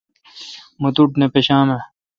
مہ توٹھے نہ پشام۔